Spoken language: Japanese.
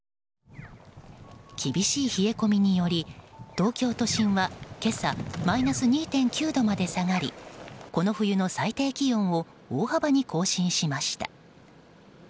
厳しい冷え込みにより東京都心は今朝マイナス２．９度まで下がりこの冬の最低気温を大幅に更新しました。